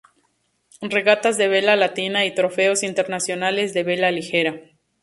Regatas de Vela Latina y Trofeos internacionales de Vela ligera.